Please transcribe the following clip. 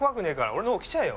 俺の方来ちゃえよ！